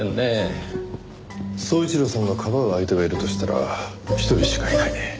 宗一郎さんがかばう相手がいるとしたら一人しかいない。